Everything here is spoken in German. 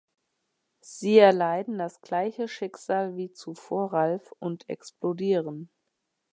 Sie erleiden das gleiche Schicksal wie zuvor Ralph und explodieren.